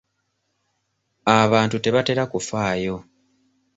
Abantu tebatera kufaayo.